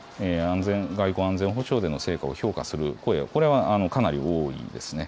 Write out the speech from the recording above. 外交・安全保障での成果を評価する声はかなり多いです。